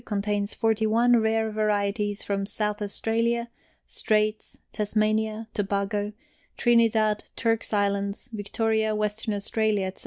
Contains 41 rare varieties from South Australia, Straits, Tasmania, Tobago, Trinidad, Turks Islands, Victoria, Western Australia, etc.